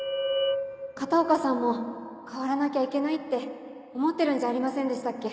片岡さんも変わらなきゃいけないって思ってるんじゃありませんでしたっけ？